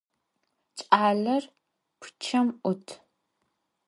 Ç'aler pççem 'ut.